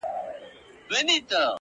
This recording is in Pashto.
• څلوريځه؛